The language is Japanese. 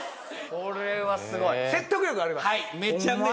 これはすごい！